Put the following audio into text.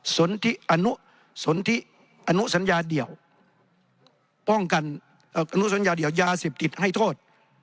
อนุสัญญาเดี่ยวป้องกันอนุสัญญาเดี่ยวยาเสพติดให้โทษ